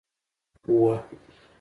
وه